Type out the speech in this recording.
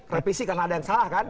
revisi karena ada yang salah kan